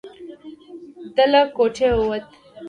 ده له کوټې ووت.